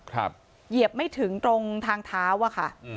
เหยียบไม่ถึงตรงทางเท้าอะค่ะ